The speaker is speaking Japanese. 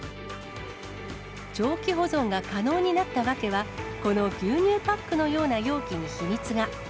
長期保存が可能になった訳は、この牛乳パックのような容器に秘密が。